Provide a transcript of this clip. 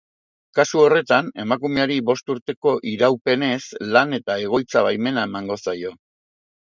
Kasu horretan, emakumeari bost urteko iraupenez Lan eta Egoitza-Baimena emango zaio.